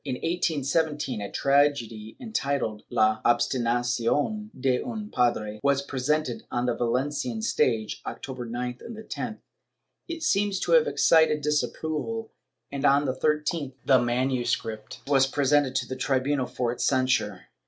In 1817 a tragedy entitled "La Obsti nacion de un Padre" was presented on the Valencian stage, October 9th and 10th; it seems to have excited disapproval and, on the 13th, the MS. was presented to the tribunal for its censure.